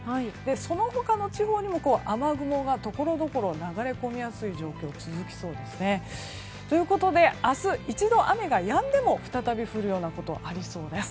その他の地方にも雨雲がところどころ流れ込みやすい状況が続きそうですね。ということで、明日一度雨がやんでも、再び降るようなことがありそうです。